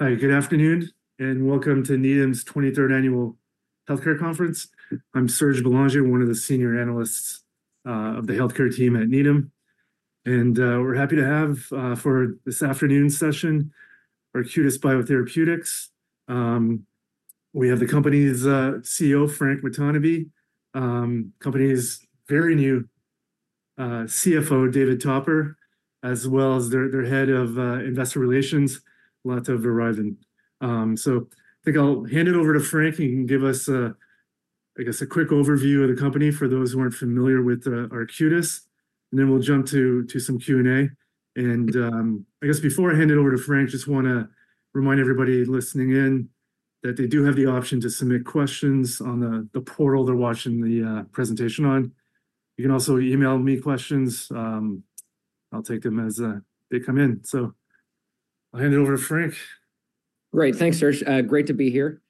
Hi, good afternoon, and welcome to Needham's 23rd Annual Healthcare Conference. I'm Serge Belanger, one of the senior analysts of the healthcare team at Needham, and we're happy to have for this afternoon's session, Arcutis Biotherapeutics. We have the company's CEO, Frank Watanabe, company's very new CFO, David Topper, as well as their head of investor relations, Lottie Rivett. So I think I'll hand it over to Frank. He can give us a quick overview of the company for those who aren't familiar with Arcutis, and then we'll jump to some Q&A. I guess before I hand it over to Frank, just wanna remind everybody listening in that they do have the option to submit questions on the portal they're watching the presentation on. You can also email me questions. I'll take them as they come in. So I'll hand it over to Frank. Great. Thanks, Serge. Great to be here.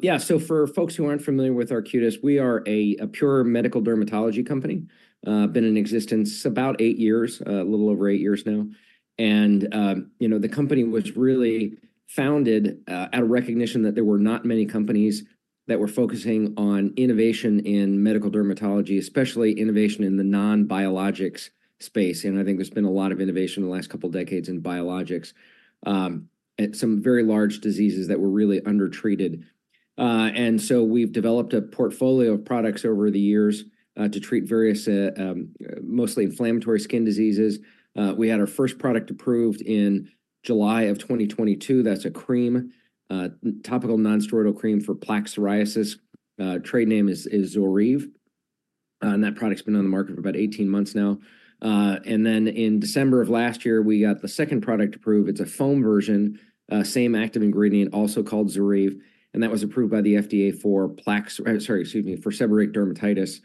Yeah, so for folks who aren't familiar with Arcutis, we are a pure medical dermatology company. Been in existence about eight years, a little over eight years now. You know, the company was really founded out of recognition that there were not many companies that were focusing on innovation in medical dermatology, especially innovation in the non-biologics space, and I think there's been a lot of innovation in the last couple of decades in biologics, and some very large diseases that were really undertreated. So we've developed a portfolio of products over the years to treat various mostly inflammatory skin diseases. We had our first product approved in July 2022. That's a cream, topical nonsteroidal cream for plaque psoriasis. Trade name is ZORYVE, and that product's been on the market for about 18 months now. Then in December of last year, we got the second product approved. It's a foam version, same active ingredient, also called ZORYVE, and that was approved by the FDA for plaque... Sorry, excuse me, for seborrheic dermatitis.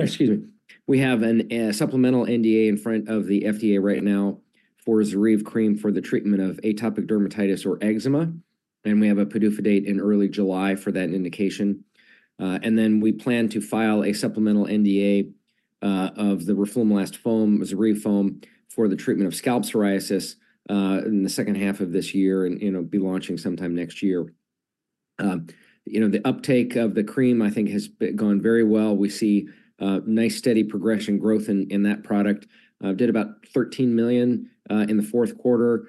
Excuse me. We have a supplemental NDA in front of the FDA right now for ZORYVE cream for the treatment of atopic dermatitis or eczema, and we have a PDUFA date in early July for that indication. Then we plan to file a supplemental NDA of the roflumilast foam, ZORYVE foam, for the treatment of scalp psoriasis in the second half of this year and, you know, be launching sometime next year. You know, the uptake of the cream, I think, has been gone very well. We see nice, steady progression growth in that product. Did about $13 million in the fourth quarter,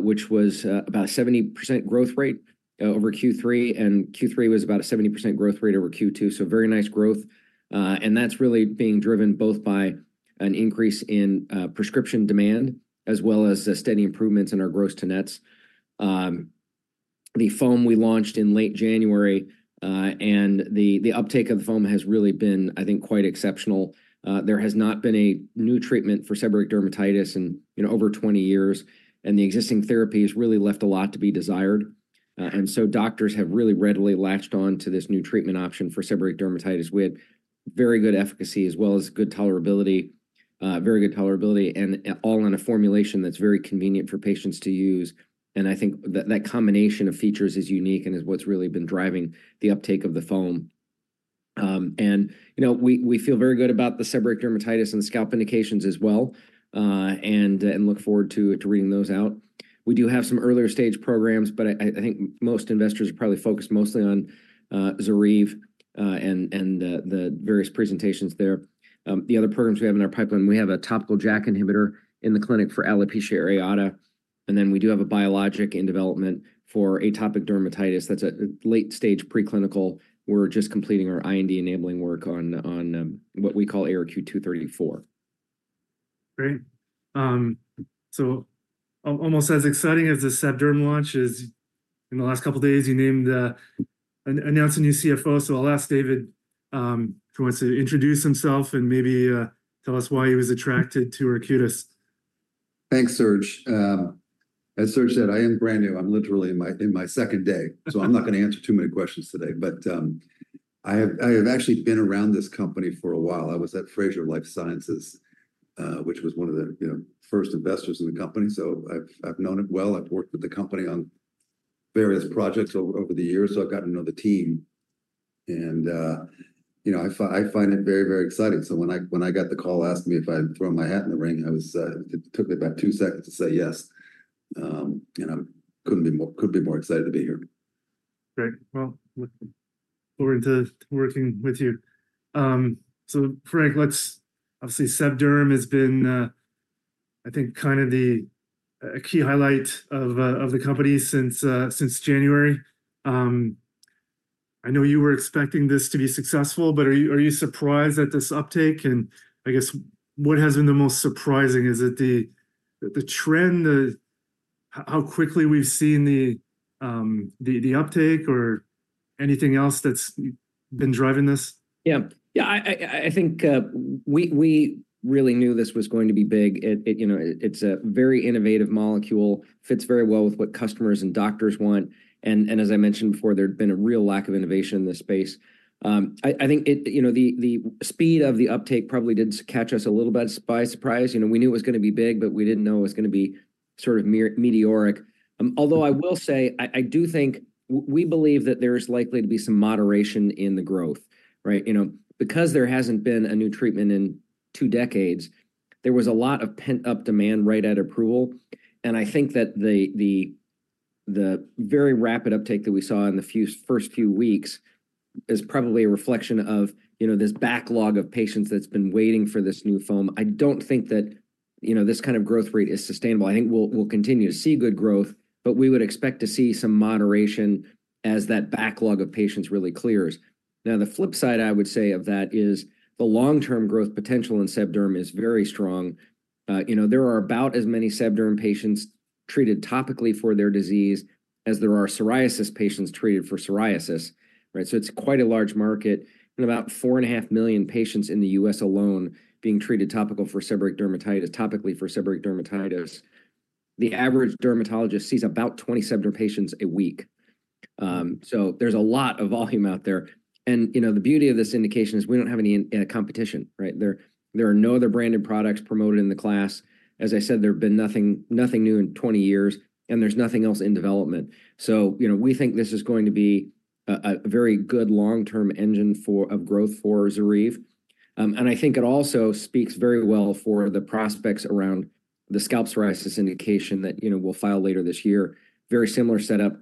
which was about a 70% growth rate over Q3, and Q3 was about a 70% growth rate over Q2, so very nice growth. That's really being driven both by an increase in prescription demand as well as the steady improvements in our gross-to-net. The foam we launched in late January, and the uptake of the foam has really been, I think, quite exceptional. There has not been a new treatment for seborrheic dermatitis in over 20 years, and the existing therapy has really left a lot to be desired. So doctors have really readily latched on to this new treatment option for seborrheic dermatitis with very good efficacy as well as good tolerability, very good tolerability, and all in a formulation that's very convenient for patients to use. I think that that combination of features is unique and is what's really been driving the uptake of the foam. You know, we, we feel very good about the seborrheic dermatitis and scalp indications as well, and, and look forward to, to reading those out. We do have some earlier-stage programs, but I, I, I think most investors are probably focused mostly on, ZORYVE, and, and the, the various presentations there. The other programs we have in our pipeline, we have a topical JAK inhibitor in the clinic for alopecia areata, and then we do have a biologic in development for atopic dermatitis. That's at a late-stage preclinical. We're just completing our IND-enabling work on what we call ARQ-234. Great. So almost as exciting as the sebderm launch is, in the last couple of days, you announced a new CFO. So I'll ask David if he wants to introduce himself and maybe tell us why he was attracted to Arcutis. Thanks, Serge. As Serge said, I am brand new. I'm literally in my second day, so I'm not gonna answer too many questions today. But I have actually been around this company for a while. I was at Frazier Life Sciences, which was one of the, you know, first investors in the company. So I've known it well. I've worked with the company on various projects over the years, so I've gotten to know the team and, you know, I find it very, very exciting. So when I got the call asking me if I'd throw my hat in the ring, I was... It took me about two seconds to say yes, and I couldn't be more excited to be here. Great! Well, looking forward to working with you. So Frank, let's... Obviously, sebderm has been, I think, kind of the key highlight of the company since January. I know you were expecting this to be successful, but are you surprised at this uptake? I guess what has been the most surprising? Is it the trend, how quickly we've seen the uptake or anything else that's been driving this? Yeah. Yeah, I think we really knew this was going to be big. It you know, it's a very innovative molecule, fits very well with what customers and doctors want, and as I mentioned before, there had been a real lack of innovation in this space. I think it, you know, the speed of the uptake probably did catch us a little bit by surprise. You know, we knew it was gonna be big, but we didn't know it was gonna be sort of meteoric. Although I will say, I do think we believe that there's likely to be some moderation in the growth, right? You know, because there hasn't been a new treatment in two decades, there was a lot of pent-up demand right at approval, and I think that the very rapid uptake that we saw in the first few weeks is probably a reflection of, you know, this backlog of patients that's been waiting for this new foam. I don't think that, you know, this kind of growth rate is sustainable. I think we'll continue to see good growth, but we would expect to see some moderation as that backlog of patients really clears. Now, the flip side, I would say of that is the long-term growth potential in sebderm is very strong. You know, there are about as many sebderm patients treated topically for their disease as there are psoriasis patients treated for psoriasis, right? So it's quite a large market, and about 4.5 million patients in the U.S. alone being treated topically for seborrheic dermatitis, topically for seborrheic dermatitis. The average dermatologist sees about 20 sebderm patients a week. So there's a lot of volume out there, and, you know, the beauty of this indication is we don't have any competition, right? There are no other branded products promoted in the class. As I said, there have been nothing, nothing new in 20 years, and there's nothing else in development. So, you know, we think this is going to be a very good long-term engine of growth for ZORYVE. And I think it also speaks very well for the prospects around the scalp psoriasis indication that, you know, we'll file later this year. Very similar setup.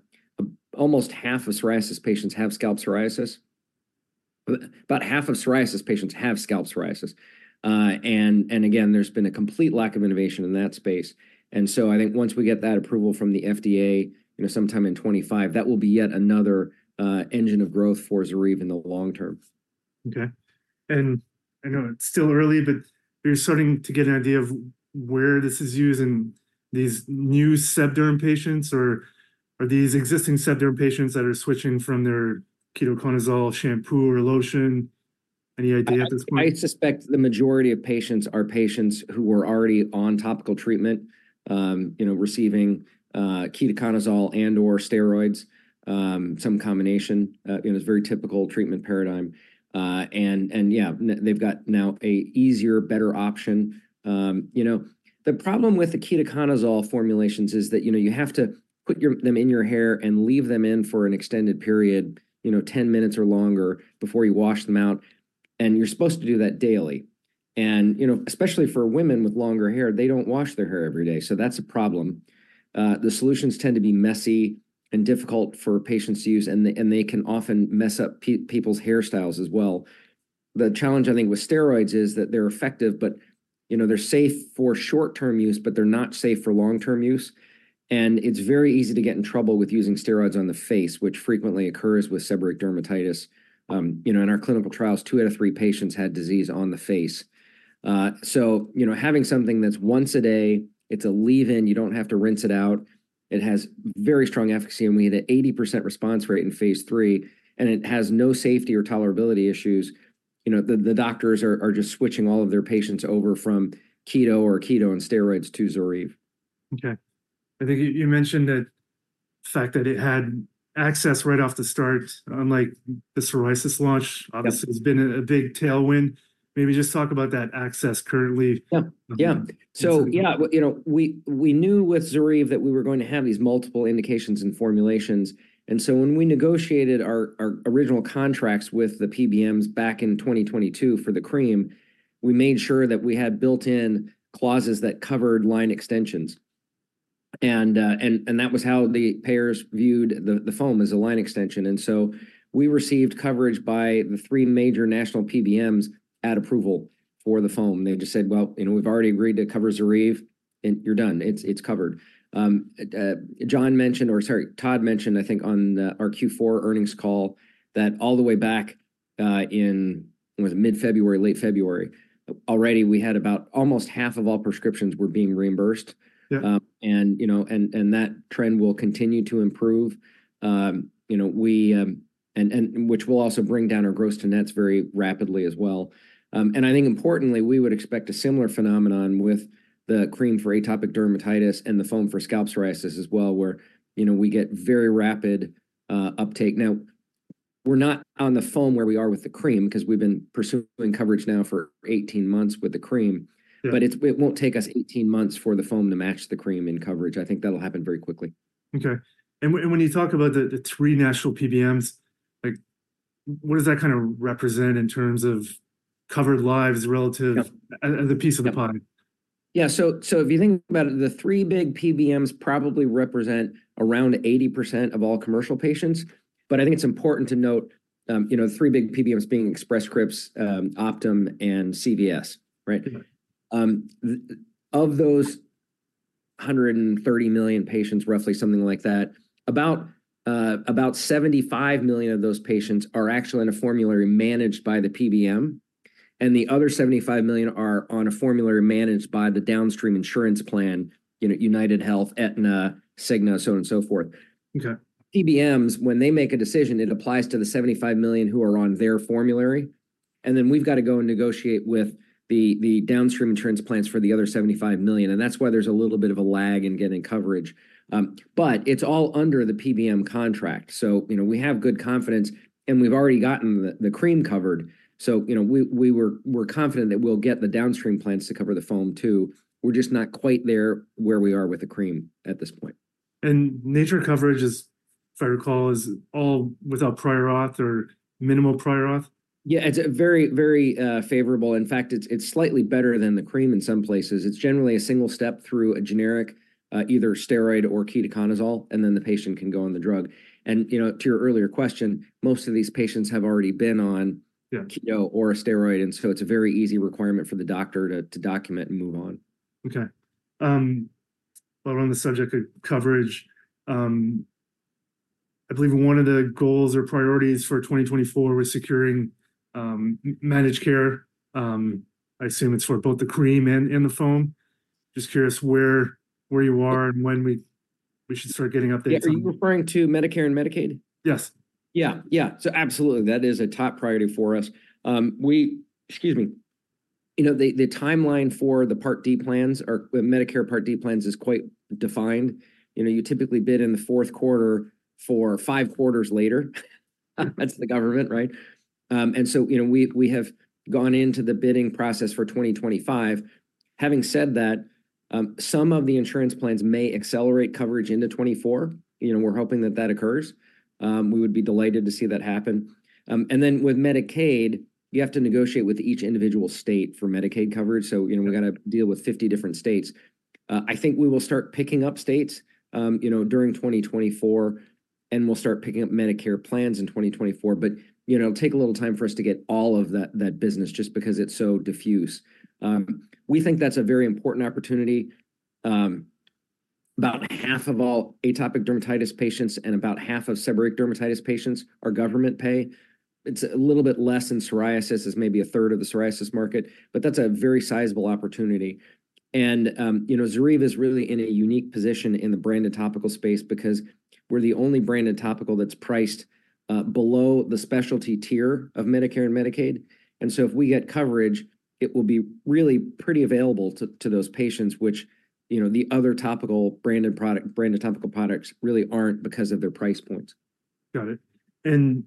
Almost half of psoriasis patients have scalp psoriasis, about half of psoriasis patients have scalp psoriasis. Again, there's been a complete lack of innovation in that space. And so I think once we get that approval from the FDA, you know, sometime in 2025, that will be yet another engine of growth for ZORYVE in the long term. Okay. I know it's still early, but are you starting to get an idea of where this is used in these new sebderm patients, or are these existing sebderm patients that are switching from their ketoconazole shampoo or lotion? Any idea at this point? I suspect the majority of patients are patients who were already on topical treatment, you know, receiving ketoconazole and/or steroids, some combination. You know, it's a very typical treatment paradigm, and they've got now a easier, better option. You know, the problem with the ketoconazole formulations is that, you know, you have to put them in your hair and leave them in for an extended period, you know, 10 minutes or longer, before you wash them out, and you're supposed to do that daily. Especially for women with longer hair, they don't wash their hair every day, so that's a problem. The solutions tend to be messy and difficult for patients to use, and they can often mess up people's hairstyles as well. The challenge, I think, with steroids is that they're effective, but, you know, they're safe for short-term use, but they're not safe for long-term use, and it's very easy to get in trouble with using steroids on the face, which frequently occurs with seborrheic dermatitis. You know, in our clinical trials, two out of three patients had disease on the face. So you know, having something that's once a day, it's a leave-in, you don't have to rinse it out, it has very strong efficacy, and we had an 80% response rate in Phase III, and it has no safety or tolerability issues. You know, the doctors are just switching all of their patients over from keto or keto and steroids to ZORYVE. Okay. I think you mentioned the fact that it had access right off the start, unlike the psoriasis launch obviously, it's been a big tailwind. Maybe just talk about that access currently. Yep. Yeah. So yeah, well, you know, we knew with ZORYVE that we were going to have these multiple indications and formulations, and so when we negotiated our original contracts with the PBMs back in 2022 for the cream, we made sure that we had built-in clauses that covered line extensions and that was how the payers viewed the foam as a line extension. So we received coverage by the three major national PBMs at approval for the foam. They just said, "Well, you know, we've already agreed to cover ZORYVE, and you're done. It's covered." John mentioned, or sorry, Todd mentioned, I think on our Q4 earnings call, that all the way back in, was it mid-February, late February, already we had about almost half of all prescriptions were being reimbursed. You know, that trend will continue to improve. You know, which will also bring down our gross-to-nets very rapidly as well. I think importantly, we would expect a similar phenomenon with the cream for atopic dermatitis and the foam for scalp psoriasis as well, where, you know, we get very rapid uptake. Now, we're not on the foam where we are with the cream 'cause we've been pursuing coverage now for 18 months with the cream. But it won't take us 18 months for the foam to match the cream in coverage. I think that'll happen very quickly. Okay, and when you talk about the three national PBMs, like, what does that kind of represent in terms of covered lives relative the piece of the pie? Yeah. So, so if you think about it, the three big PBMs probably represent around 80% of all commercial patients, but I think it's important to note, you know, three big PBMs being Express Scripts, Optum, and CVS, right? Of those 130 million patients, roughly something like that, about 75 million of those patients are actually in a formulary managed by the PBM, and the other 75 million are on a formulary managed by the downstream insurance plan, you know, UnitedHealth, Aetna, Cigna, so on and so forth. Okay. PBMs, when they make a decision, it applies to the 75 million who are on their formulary, and then we've got to go and negotiate with the downstream insurance plans for the other 75 million, and that's why there's a little bit of a lag in getting coverage. But it's all under the PBM contract, so, you know, we have good confidence, and we've already gotten the cream covered. So, you know, we're confident that we'll get the downstream plans to cover the foam, too. We're just not quite there where we are with the cream at this point. Nature of coverage is, if I recall, all without prior auth or minimal prior auth? Yeah, it's a very, very favorable. In fact, it's slightly better than the cream in some places. It's generally a single step through a generic either steroid or ketoconazole, and then the patient can go on the drug, and, you know, to your earlier question, most of these patients have already been on keto or a steroid, and so it's a very easy requirement for the doctor to document and move on. Okay. While we're on the subject of coverage, I believe one of the goals or priorities for 2024 was securing managed care. I assume it's for both the cream and the foam. Just curious where you are and when we should start getting updates on- Yeah. Are you referring to Medicare and Medicaid? Yes. Yeah, yeah. So absolutely, that is a top priority for us. Excuse me. You know, the timeline for the Part D plans or Medicare Part D plans is quite defined. You know, you typically bid in the fourth quarter for five quarters later. That's the government, right? So, you know, we have gone into the bidding process for 2025. Having said that, some of the insurance plans may accelerate coverage into 2024. You know, we're hoping that that occurs. We would be delighted to see that happen. Then with Medicaid, you have to negotiate with each individual state for Medicaid coverage, so you know, we've got to deal with 50 different states. I think we will start picking up states, you know, during 2024, and we'll start picking up Medicare plans in 2024. But, you know, it'll take a little time for us to get all of that, that business, just because it's so diffuse. We think that's a very important opportunity. About half of all atopic dermatitis patients and about half of seborrheic dermatitis patients are government pay. It's a little bit less than psoriasis. It's maybe a third of the psoriasis market, but that's a very sizable opportunity. You know, ZORYVE is really in a unique position in the branded topical space because we're the only branded topical that's priced below the specialty tier of Medicare and Medicaid. So if we get coverage, it will be really pretty available to, to those patients, which, you know, the other topical branded product, branded topical products really aren't because of their price points. Got it.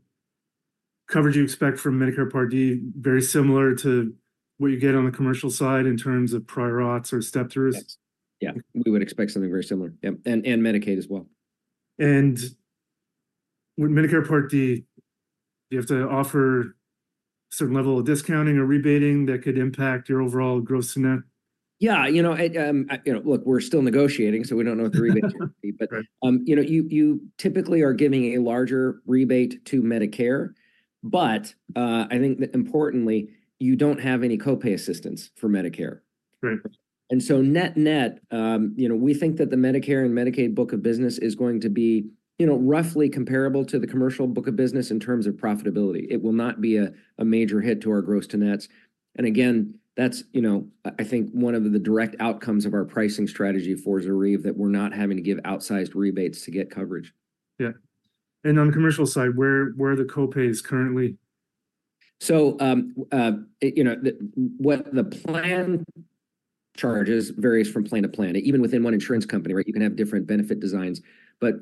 Coverage you expect from Medicare Part D, very similar to what you get on the commercial side in terms of prior auths or step throughs? Yes. Yeah, we would expect something very similar, yep, and Medicaid as well. With Medicare Part D, do you have to offer a certain level of discounting or rebating that could impact your overall gross to net? Yeah. You know, you know, look, we're still negotiating, so we don't know what the rebate you know, you typically are giving a larger rebate to Medicare, but I think that importantly, you don't have any co-pay assistance for Medicare. Right. So net-net, you know, we think that the Medicare and Medicaid book of business is going to be, you know, roughly comparable to the commercial book of business in terms of profitability. It will not be a major hit to our gross-to-net. Again, that's, you know, I think one of the direct outcomes of our pricing strategy for ZORYVE, that we're not having to give outsized rebates to get coverage. Yeah. On the commercial side, where are the co-pays currently? So, you know, what the plan charges varies from plan to plan, even within one insurance company, right? You can have different benefit designs. But,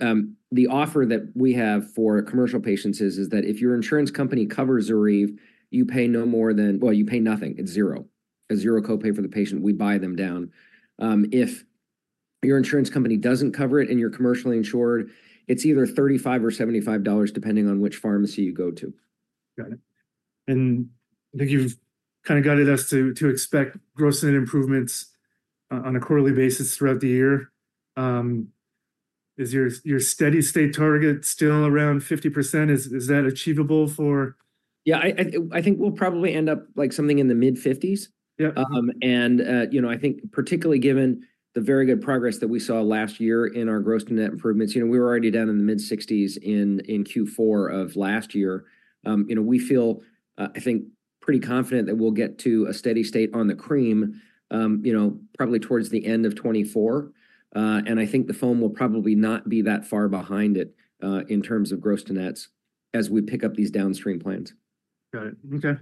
the offer that we have for commercial patients is that if your insurance company covers ZORYVE, you pay no more than... well, you pay nothing. It's zero. A zero co-pay for the patient, we buy them down. If your insurance company doesn't cover it and you're commercially insured, it's either $35 or $75, depending on which pharmacy you go to. Got it. I think you've kind of guided us to expect gross-to-net improvements on a quarterly basis throughout the year. Is your steady-state target still around 50%? Is that achievable for- Yeah, I think we'll probably end up like something in the mid-fifties. Yeah. You know, I think particularly given the very good progress that we saw last year in our gross-to-net improvements, you know, we were already down in the mid-60s in Q4 of last year. You know, we feel, I think, pretty confident that we'll get to a steady state on the cream, you know, probably towards the end of 2024 and I think the foam will probably not be that far behind it, in terms of gross-to-nets, as we pick up these downstream plans. Got it. Okay.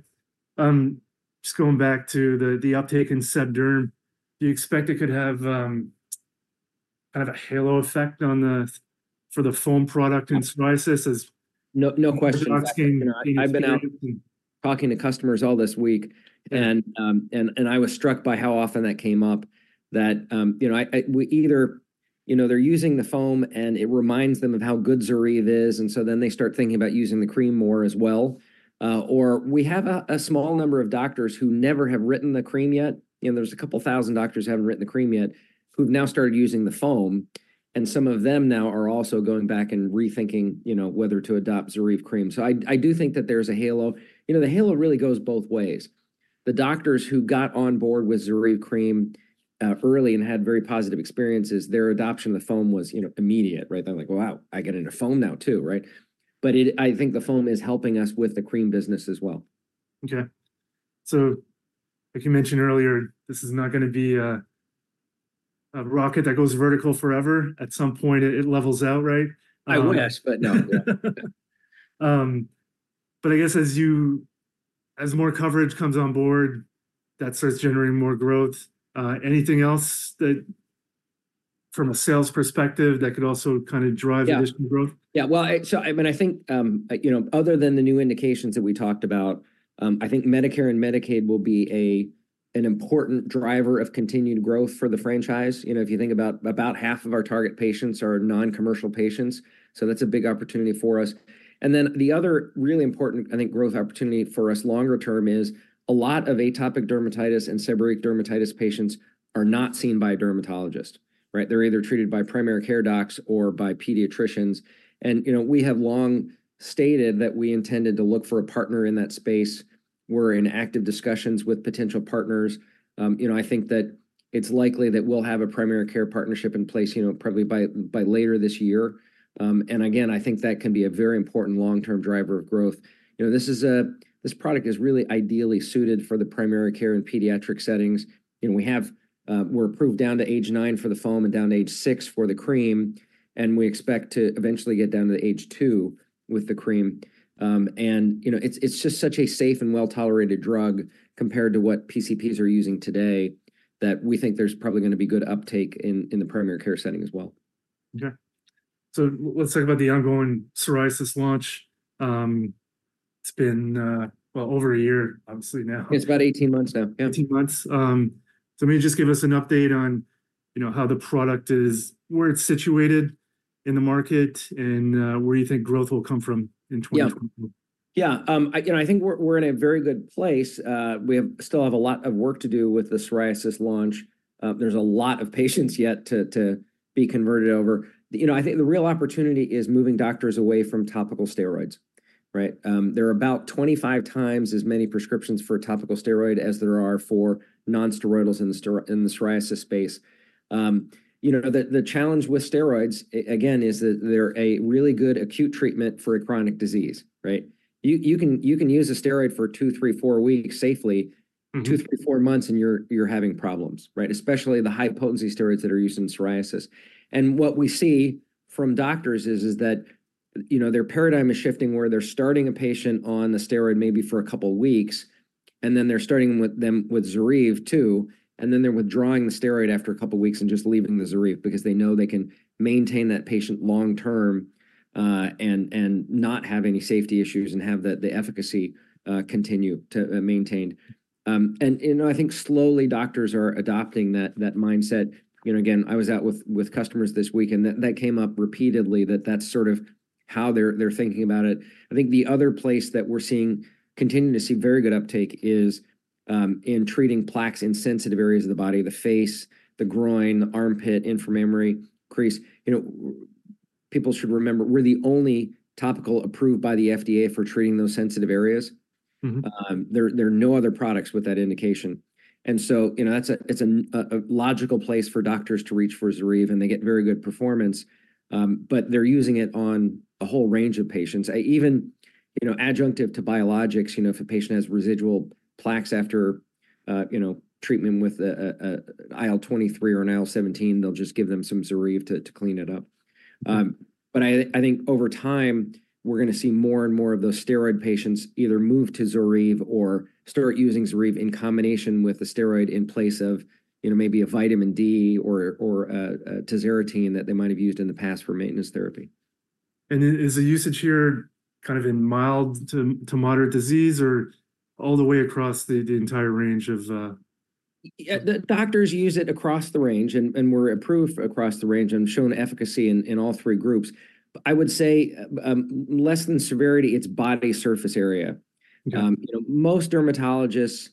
Just going back to the uptake in SEB derm, do you expect it could have kind of a halo effect on the, for the foam product in psoriasis, as- No, no question. I've been out talking to customers all this week, and I was struck by how often that came up that, you know, I, I, we either, you know, they're using the foam, and it reminds them of how good ZORYVE is, and so then they start thinking about using the cream more as well. We have a, a small number of doctors who never have written the cream yet, and there's a couple thousand doctors who haven't written the cream yet, who've now started using the foam and some of them now are also going back and rethinking, you know, whether to adopt ZORYVE cream. So I, I do think that there's a halo. You know, the halo really goes both ways. The doctors who got on board with ZORYVE cream early and had very positive experiences, their adoption of the foam was, you know, immediate, right? They're like: "Wow, I get into foam now, too," right? But I think the foam is helping us with the cream business as well. Okay. So like you mentioned earlier, this is not gonna be a rocket that goes vertical forever. At some point, it levels out, right? I wish, but no. But I guess as you, as more coverage comes on board, that starts generating more growth. Anything else from a sales perspective, that could also kind of drive additional growth? Yeah, well, I mean, I think, you know, other than the new indications that we talked about, I think Medicare and Medicaid will be an important driver of continued growth for the franchise. You know, if you think about, about half of our target patients are non-commercial patients, so that's a big opportunity for us. Then the other really important, I think, growth opportunity for us longer term is a lot of atopic dermatitis and seborrheic dermatitis patients are not seen by a dermatologist, right? They're either treated by primary care docs or by pediatricians and, you know, we have long stated that we intended to look for a partner in that space. We're in active discussions with potential partners. You know, I think that it's likely that we'll have a primary care partnership in place, you know, probably by later this year. Again, I think that can be a very important long-term driver of growth. You know, this product is really ideally suited for the primary care and pediatric settings, and we're approved down to age nine for the foam and down to age six for the cream, and we expect to eventually get down to age two with the cream. You know, it's just such a safe and well-tolerated drug compared to what PCPs are using today, that we think there's probably gonna be good uptake in the primary care setting as well. Okay. So let's talk about the ongoing psoriasis launch. It's been, well, over a year, obviously now. It's about 18 months now. Yeah. 18 months. So maybe just give us an update on, you know, how the product is, where it's situated in the market, and where you think growth will come from in 2024. Yeah. You know, I think we're in a very good place. We still have a lot of work to do with the psoriasis launch. There's a lot of patients yet to be converted over. You know, I think the real opportunity is moving doctors away from topical steroids, right? There are about 25x as many prescriptions for a topical steroid as there are for non-steroidals in the psoriasis space. You know, the challenge with steroids again is that they're a really good acute treatment for a chronic disease, right? You can use a steroid for two, three, four weeks safely. Two, three, four months, and you're having problems, right? Especially the high-potency steroids that are used in psoriasis. What we see from doctors is that, you know, their paradigm is shifting, where they're starting a patient on the steroid maybe for a couple of weeks, and then they're starting them with ZORYVE too, and then they're withdrawing the steroid after a couple weeks and just leaving the ZORYVE because they know they can maintain that patient long term, and not have any safety issues and have the efficacy continue to maintain. You know, I think slowly doctors are adopting that mindset. You know, again, I was out with customers this week, and that came up repeatedly that that's sort of how they're thinking about it. I think the other place that we're seeing, continuing to see very good uptake is in treating plaques in sensitive areas of the body, the face, the groin, the armpit, inframammary crease. You know, people should remember we're the only topical approved by the FDA for treating those sensitive areas. There are no other products with that indication. So, you know, that's a logical place for doctors to reach for ZORYVE, and they get very good performance, but they're using it on a whole range of patients. Even, you know, adjunctive to biologics, you know, if a patient has residual plaques after, you know, treatment with an IL-23 or an IL-17, they'll just give them some ZORYVE to clean it up. But I think over time, we're gonna see more and more of those steroid patients either move to ZORYVE or start using ZORYVE in combination with the steroid in place of, you know, maybe a vitamin D or a tazarotene that they might have used in the past for maintenance therapy. Is the usage here kind of in mild to moderate disease, or all the way across the entire range of... Yeah, the doctors use it across the range, and we're approved across the range and shown efficacy in all three groups. But I would say, less than severity, it's body surface area. Okay. You know, most dermatologists,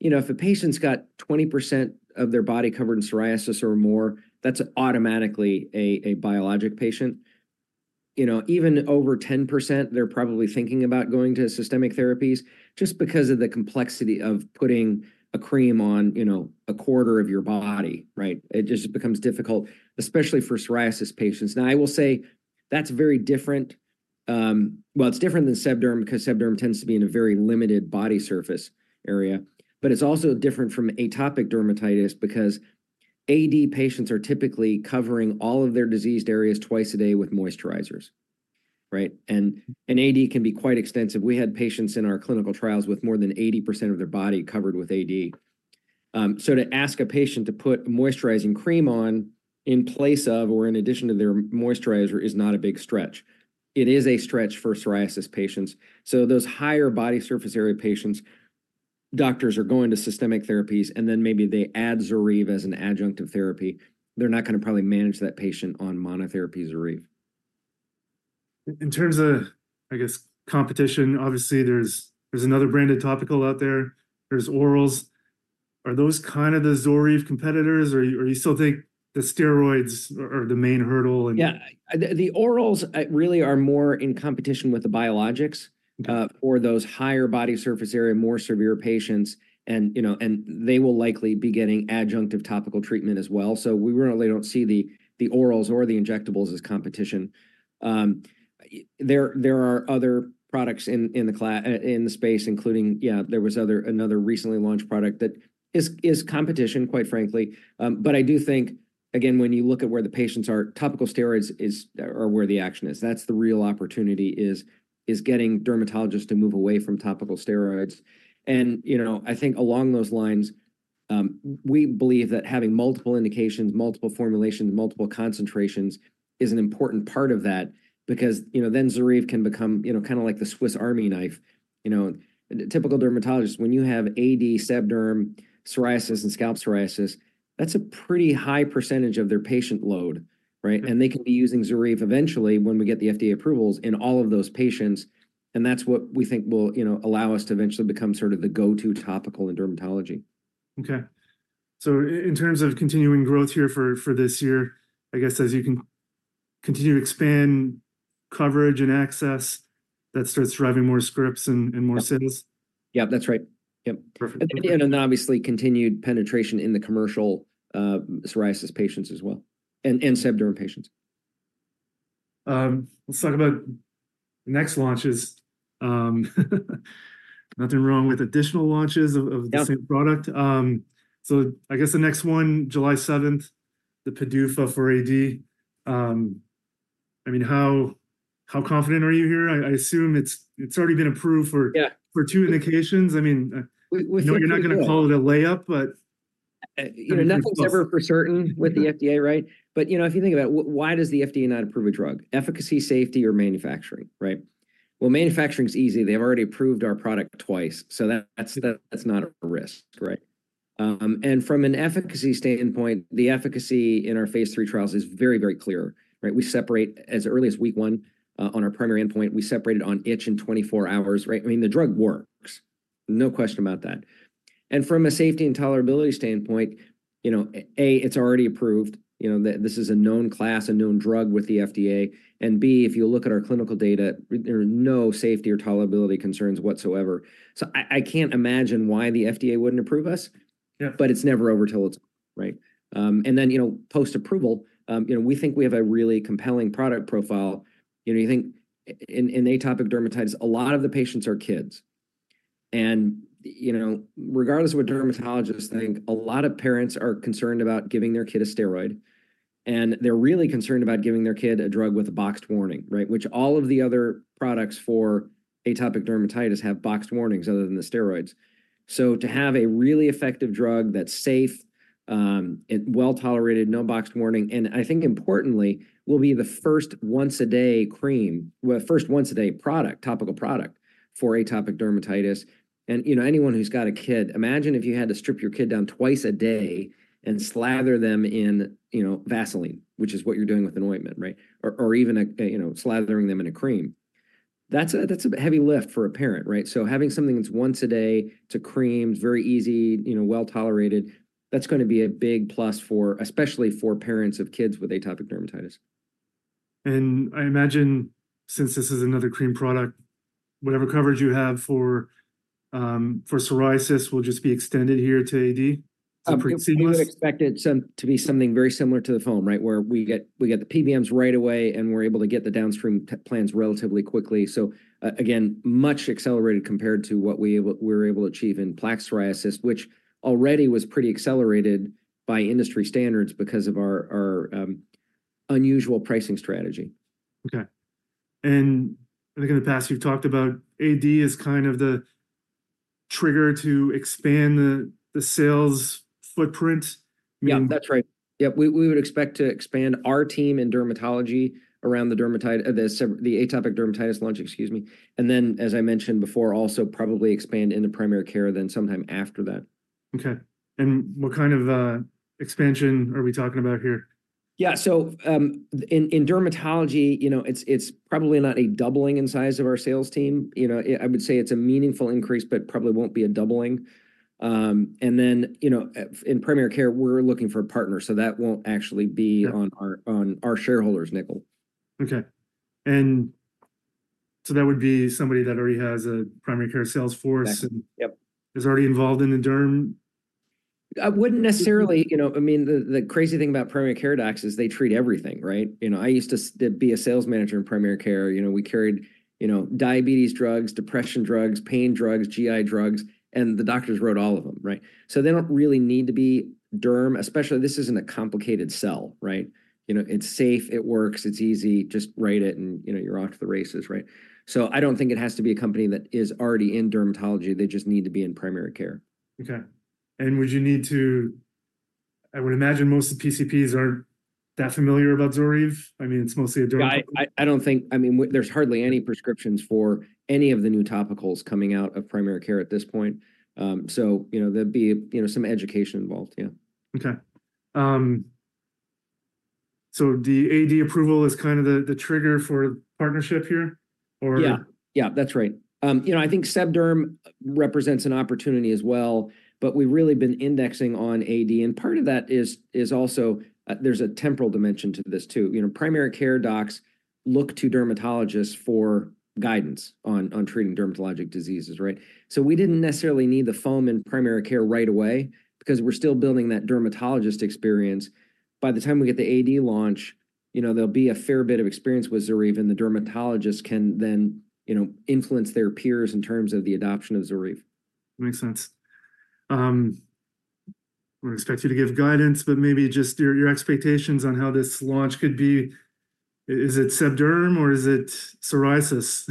you know, if a patient's got 20% of their body covered in psoriasis or more, that's automatically a biologic patient. You know, even over 10%, they're probably thinking about going to systemic therapies just because of the complexity of putting a cream on, you know, a quarter of your body, right? It just becomes difficult, especially for psoriasis patients. Now, I will say that's very different. Well, it's different than sebderm because sebderm tends to be in a very limited body surface area. But it's also different from atopic dermatitis because AD patients are typically covering all of their diseased areas twice a day with moisturizers, right? AD can be quite extensive. We had patients in our clinical trials with more than 80% of their body covered with AD. So to ask a patient to put moisturizing cream on in place of or in addition to their moisturizer is not a big stretch. It is a stretch for psoriasis patients. So those higher body surface area patients, doctors are going to systemic therapies, and then maybe they add ZORYVE as an adjunctive therapy. They're not gonna probably manage that patient on monotherapy ZORYVE. In terms of, I guess, competition, obviously, there's, there's another branded topical out there. There's orals. Are those kind of the ZORYVE competitors, or, or you still think the steroids are, are the main hurdle and- Yeah. The orals really are more in competition with the biologics for those higher body surface area, more severe patients, and, you know, and they will likely be getting adjunctive topical treatment as well. So we really don't see the orals or the injectables as competition. There are other products in the space, including... Yeah, there was another recently launched product that is competition, quite frankly. But I do think, again, when you look at where the patients are, topical steroids are where the action is. That's the real opportunity, is getting dermatologists to move away from topical steroids. And, you know, I think along those lines, we believe that having multiple indications, multiple formulations, multiple concentrations is an important part of that because, you know, then ZORYVE can become, you know, kind of like the Swiss Army knife. You know, typical dermatologist, when you have AD, sebderm, psoriasis, and scalp psoriasis, that's a pretty high percentage of their patient load, and they can be using ZORYVE eventually when we get the FDA approvals in all of those patients, and that's what we think will, you know, allow us to eventually become sort of the go-to topical in dermatology. Okay. So in terms of continuing growth here for this year, I guess as you can continue to expand coverage and access, that starts driving more scripts and more sales? Yeah, that's right. Yep. Perfect. Then obviously continued penetration in the commercial psoriasis patients as well, and sebderm patients. Let's talk about next launches. Nothing wrong with additional launches of the same product. So I guess the next one, July 7th, the PDUFA for AD. I mean, how confident are you here? I assume it's already been approved for two indications. I mean- We think- I know you're not going to call it a layup, but... You know, nothing's ever for certain with the FDA, right? But, you know, if you think about it, why does the FDA not approve a drug? Efficacy, safety, or manufacturing, right? Well, manufacturing is easy. They've already approved our product twice, so that's, that's not a risk, right? From an efficacy standpoint, the efficacy in our Phase II trials is very, very clear, right? We separate as early as week one, on our primary endpoint. We separated on itch in 24 hours, right? I mean, the drug works. No question about that and from a safety and tolerability standpoint, you know, A, it's already approved. You know, this is a known class, a known drug with the FDA. And B, if you look at our clinical data, there are no safety or tolerability concerns whatsoever. So I can't imagine why the FDA wouldn't approve us. Yeah. But it's never over till it's, right. Then, you know, post-approval, you know, we think we have a really compelling product profile. You know, you think in, in atopic dermatitis, a lot of the patients are kids, and, you know, regardless of what dermatologists think, a lot of parents are concerned about giving their kid a steroid, and they're really concerned about giving their kid a drug with a boxed warning, right? Which all of the other products for atopic dermatitis have boxed warnings other than the steroids. So to have a really effective drug that's safe, and well-tolerated, no boxed warning, and I think importantly, will be the first once-a-day cream, well, first once-a-day product, topical product for atopic dermatitis. You know, anyone who's got a kid, imagine if you had to strip your kid down twice a day and slather them in, you know, Vaseline, which is what you're doing with an ointment, right? Or even a, you know, slathering them in a cream. That's a heavy lift for a parent, right? So having something that's once a day, it's a cream, very easy, you know, well-tolerated, that's gonna be a big plus for, especially for parents of kids with atopic dermatitis. I imagine since this is another cream product, whatever coverage you have for psoriasis will just be extended here to AD? Pretty similar. We would expect it to be something very similar to the foam, right? Where we get the PBMs right away, and we're able to get the downstream plans relatively quickly. So again, much accelerated compared to what we were able to achieve in plaque psoriasis, which already was pretty accelerated by industry standards because of our unusual pricing strategy. Okay. I think in the past, you've talked about AD as kind of the trigger to expand the sales footprint. Meaning- Yeah, that's right. Yep, we, we would expect to expand our team in dermatology around the atopic dermatitis launch, excuse me. Then, as I mentioned before, also probably expand into primary care then sometime after that. Okay. What kind of expansion are we talking about here? Yeah, so, in dermatology, you know, it's probably not a doubling in size of our sales team. You know, I would say it's a meaningful increase, but probably won't be a doubling. Then, you know, in primary care, we're looking for a partner, so that won't actually be on our shareholders' nickel. Okay. So that would be somebody that already has a primary care sales force and is already involved in the derm? I wouldn't necessarily. You know, I mean, the crazy thing about primary care docs is they treat everything, right? You know, I used to be a sales manager in primary care. You know, we carried, you know, diabetes drugs, depression drugs, pain drugs, GI drugs, and the doctors wrote all of them, right? So they don't really need to be derm, especially this isn't a complicated sell, right? You know, it's safe, it works, it's easy. Just write it, and, you know, you're off to the races, right? So I don't think it has to be a company that is already in dermatology. They just need to be in primary care. Okay. Would you need to... I would imagine most of the PCPs aren't that familiar about ZORYVE. I mean, it's mostly a dermal- I don't think, I mean, there's hardly any prescriptions for any of the new topicals coming out of primary care at this point. So, you know, there'd be, you know, some education involved. Yeah. Okay. So the AD approval is kind of the trigger for partnership here, or? Yeah. Yeah, that's right. You know, I think sebderm represents an opportunity as well, but we've really been indexing on AD, and part of that is also, there's a temporal dimension to this, too. You know, primary care docs look to dermatologists for guidance on treating dermatologic diseases, right? So we didn't necessarily need the foam in primary care right away because we're still building that dermatologist experience. By the time we get the AD launch, you know, there'll be a fair bit of experience with ZORYVE, and the dermatologist can then, you know, influence their peers in terms of the adoption of ZORYVE. Makes sense. I don't expect you to give guidance, but maybe just your expectations on how this launch could be. Is it sebderm, or is it psoriasis?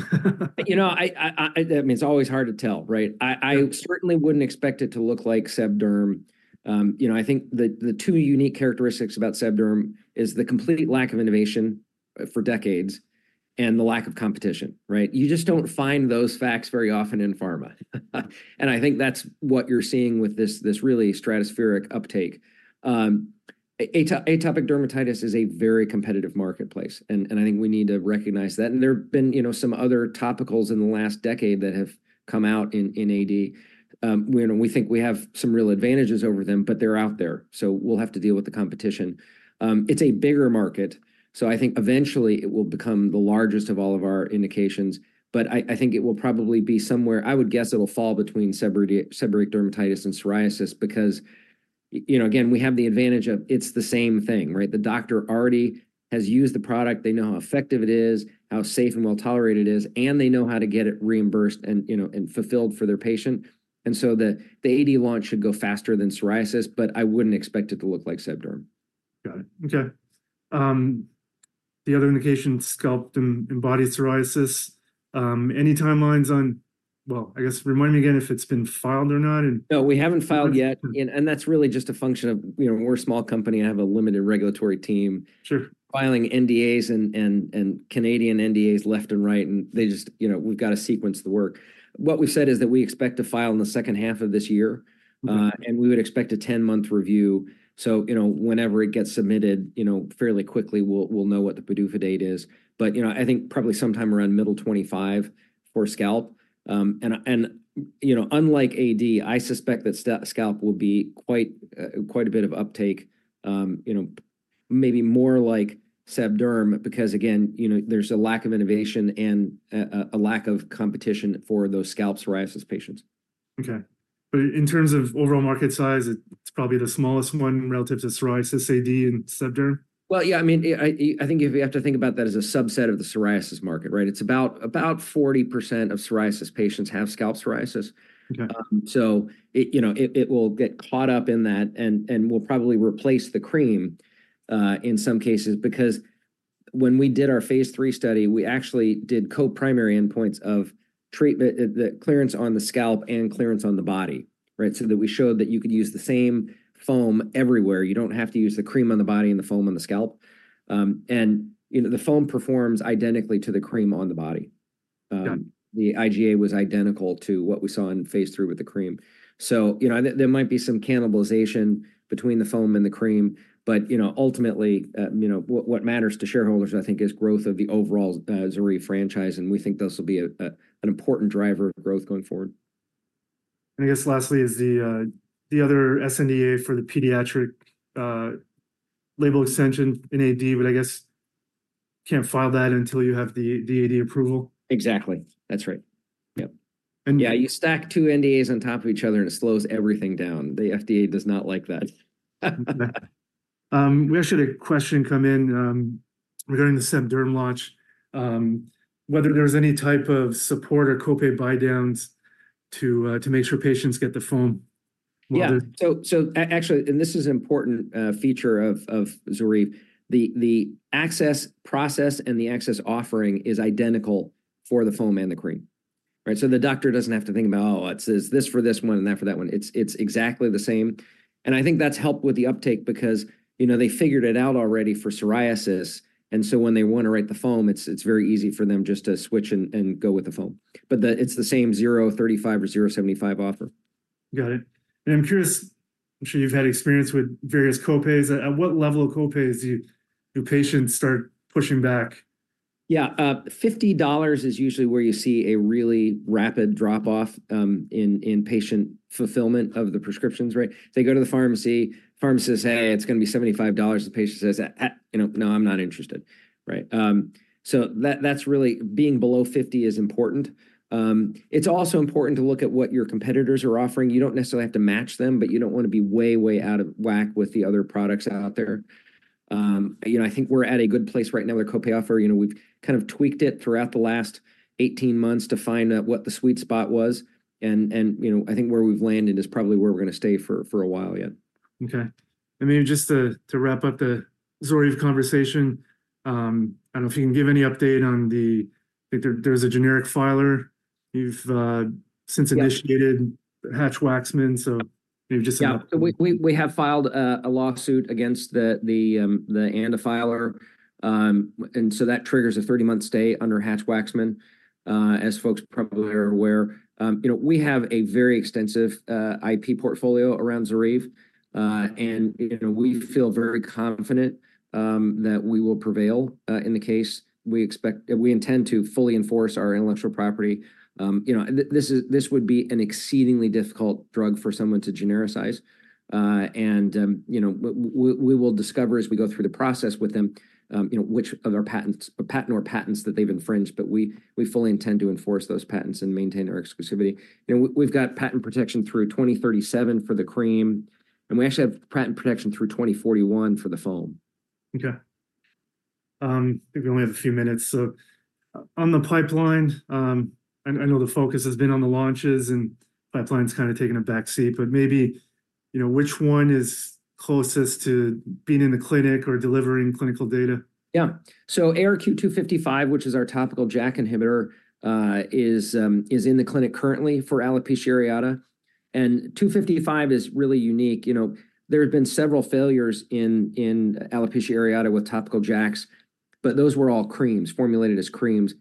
You know... That means it's always hard to tell, right? Sure. I certainly wouldn't expect it to look like sebderm. You know, I think the two unique characteristics about sebderm is the complete lack of innovation for decades and the lack of competition, right? You just don't find those facts very often in pharma. I think that's what you're seeing with this, this really stratospheric uptake. Atopic dermatitis is a very competitive marketplace, and I think we need to recognize that. There have been, you know, some other topicals in the last decade that have come out in AD. You know, we think we have some real advantages over them, but they're out there, so we'll have to deal with the competition. It's a bigger market, so I think eventually it will become the largest of all of our indications, but I think it will probably be somewhere. I would guess it'll fall between seborrheic dermatitis and psoriasis because, you know, again, we have the advantage of it's the same thing, right? The doctor already has used the product. They know how effective it is, how safe and well-tolerated it is, and they know how to get it reimbursed and, you know, and fulfilled for their patient. So the AD launch should go faster than psoriasis, but I wouldn't expect it to look like sebderm. Got it. Okay. The other indication, scalp and body psoriasis, any timelines on... Well, I guess remind me again if it's been filed or not, and- No, we haven't filed yet, and that's really just a function of, you know, we're a small company and have a limited regulatory team. Sure. Filing NDAs and Canadian NDAs left and right, and they just, you know, we've got to sequence the work. What we've said is that we expect to file in the second half of this year and we would expect a ten-month review. So, you know, whenever it gets submitted, you know, fairly quickly we'll know what the PDUFA date is. But, you know, I think probably sometime around middle 2025 for scalp and, you know, unlike AD, I suspect that scalp will be quite a bit of uptake, you know, maybe more like sebderm because, again, you know, there's a lack of innovation and a lack of competition for those scalp psoriasis patients. Okay. But in terms of overall market size, it's probably the smallest one relative to psoriasis, AD, and sebderm? Well, yeah, I mean, I think if you have to think about that as a subset of the psoriasis market, right? It's about, about 40% of psoriasis patients have scalp psoriasis. Okay. So it, you know, will get caught up in that, and will probably replace the cream in some cases, because when we did our Phase III study, we actually did co-primary endpoints of treatment, the clearance on the scalp and clearance on the body, right? So that we showed that you could use the same foam everywhere. You don't have to use the cream on the body and the foam on the scalp and, you know, the foam performs identically to the cream on the body. Got it. The IGA was identical to what we saw in Phase III with the cream. So, you know, there, there might be some cannibalization between the foam and the cream, but, you know, ultimately, you know, what, what matters to shareholders, I think, is growth of the overall ZORYVE franchise, and we think this will be a, a, an important driver of growth going forward. I guess lastly is the other sNDA for the pediatric label extension in AD, but I guess can't file that until you have the AD approval? Exactly. That's right. Yep. Yeah, you stack two NDAs on top of each other, and it slows everything down. The FDA does not like that. We actually had a question come in, regarding the sebderm launch, whether there was any type of support or co-pay buy downs to make sure patients get the foam? Whether- Yeah, actually, and this is an important feature of ZORYVE. The access process and the access offering is identical for the foam and the cream, right? So the doctor doesn't have to think about, "Oh, it's this for this one and that for that one." It's exactly the same, and I think that's helped with the uptake because, you know, they figured it out already for psoriasis, and so when they want to write the foam, it's very easy for them just to switch and go with the foam but it's the same 0.35 or 0.75 offer. Got it. I'm curious, I'm sure you've had experience with various co-pays. At what level of co-pays do patients start pushing back? Yeah, $50 is usually where you see a really rapid drop-off, in patient fulfillment of the prescriptions, right? They go to the pharmacy, pharmacist say, "Hey, it's gonna be $75." The patient says, "Eh, eh, you know, no, I'm not interested." Right? So that, that's really... Being below $50 is important. It's also important to look at what your competitors are offering. You don't necessarily have to match them, but you don't want to be way, way out of whack with the other products out there. You know, I think we're at a good place right now with co-pay offer. You know, we've kind of tweaked it throughout the last 18 months to find out what the sweet spot was and, you know, I think where we've landed is probably where we're gonna stay for a while yet. Okay. Maybe just to wrap up the ZORYVE conversation, I don't know if you can give any update on the... I think there's a generic filer. You've since initiated Hatch-Waxman, so maybe just- Yeah. We have filed a lawsuit against the ANDA filer, and so that triggers a 30-month stay under Hatch-Waxman. As folks probably are aware, you know, we have a very extensive IP portfolio around ZORYVE, and, you know, we feel very confident that we will prevail in the case. We expect- we intend to fully enforce our intellectual property. You know, this is, this would be an exceedingly difficult drug for someone to genericize and, you know, we will discover as we go through the process with them, you know, which of their patents, patent or patents that they've infringed, but we fully intend to enforce those patents and maintain our exclusivity. You know, we've got patent protection through 2037 for the cream, and we actually have patent protection through 2041 for the foam. Okay. I think we only have a few minutes, so on the pipeline, I know the focus has been on the launches, and pipeline's kind of taking a back seat, but maybe, you know, which one is closest to being in the clinic or delivering clinical data? Yeah. So ARQ-255, which is our topical JAK inhibitor, is in the clinic currently for alopecia areata, and 255 is really unique. You know, there have been several failures in alopecia areata with topical JAKs, but those were all creams, formulated as creams.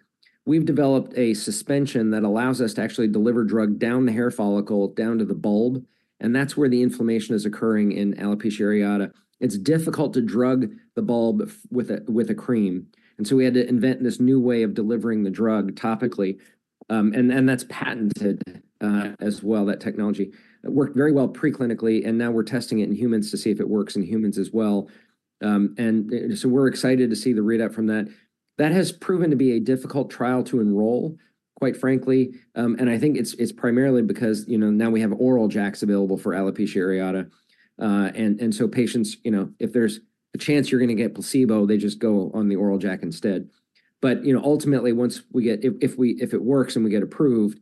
We've developed a suspension that allows us to actually deliver drug down the hair follicle, down to the bulb, and that's where the inflammation is occurring in alopecia areata. It's difficult to drug the bulb with a cream, and so we had to invent this new way of delivering the drug topically, and that's patented as well, that technology. It worked very well pre-clinically, and now we're testing it in humans to see if it works in humans as well. So we're excited to see the readout from that. That has proven to be a difficult trial to enroll, quite frankly, and I think it's primarily because, you know, now we have oral JAKs available for alopecia areata. So patients, you know, if there's a chance you're gonna get placebo, they just go on the oral JAK instead. But, you know, ultimately, once we get... If it works and we get approved,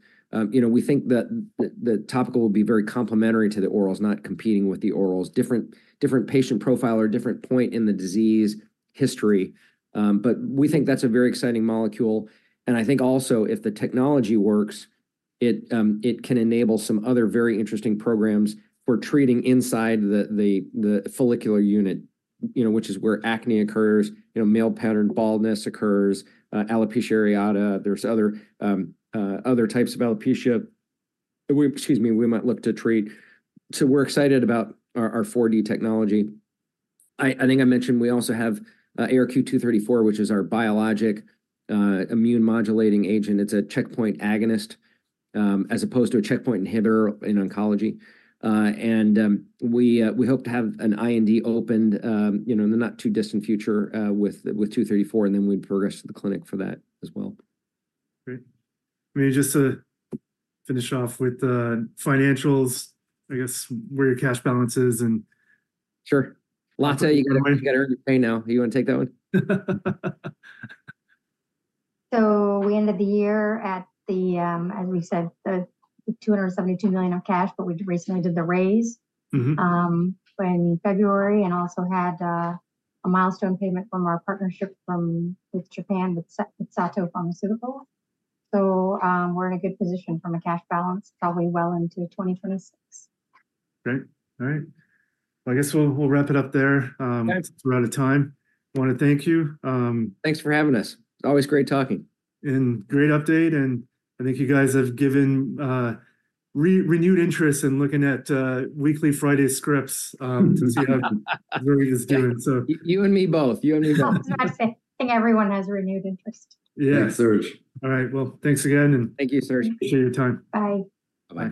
you know, we think that the topical will be very complementary to the orals, not competing with the orals. Different patient profile or different point in the disease history. But we think that's a very exciting molecule, and I think also if the technology works, it, it can enable some other very interesting programs for treating inside the follicular unit, you know, which is where acne occurs, you know, male pattern baldness occurs, alopecia areata. There's other, other types of alopecia, excuse me, we might look to treat. So we're excited about our FD technology. I think I mentioned we also have ARQ-234, which is our biologic, immune modulating agent. It's a checkpoint agonist, as opposed to a checkpoint inhibitor in oncology and we hope to have an IND opened, you know, in the not-too-distant future, with 234, and then we'd progress to the clinic for that as well. Great. Maybe just to finish off with the financials, I guess, where your cash balance is and- Sure. Lottie, you gotta, you gotta earn your pay now. You wanna take that one? So we ended the year at, as we said, $272 million of cash, but we recently did the raise. In February, and also had a milestone payment from our partnership with Japan, with Sato Pharmaceutical. So, we're in a good position from a cash balance, probably well into 2026. Great. All right. I guess we'll wrap it up there. Thanks. We're out of time. I wanna thank you. Thanks for having us. It's always great talking. Great update, and I think you guys have given renewed interest in looking at weekly Friday scripts since you have... ZORYVE is doing so. You and me both. You and me both. I was going to say, I think everyone has renewed interest. Yeah. Yes, Serge. All right, well, thanks again, and- Thank you, Serge.... appreciate your time. Bye. Bye.